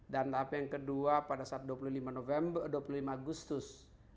dan tahap yang kedua pada saat dua puluh lima november dua puluh lima agustus dua ribu dua puluh dua